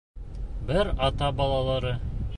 Бер ата балалары.